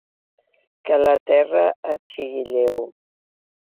Que la terra et sigui lleu.